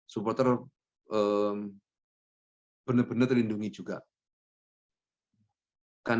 supporter benar benar terlindungi juga